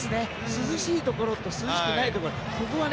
涼しいところと涼しくないところが。